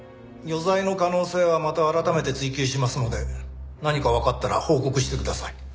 余罪の可能性はまた改めて追及しますので何かわかったら報告してください。